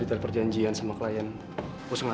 kita tuh harus bisa lho nyenengin hati orang tua